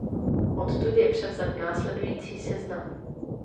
Odtud je převzat následující seznam.